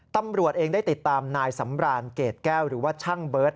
ตำรวจเองได้ติดตามนายสำรานเกรดแก้วหรือว่าช่างเบิร์ต